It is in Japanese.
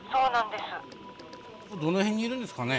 どの辺にいるんですかね。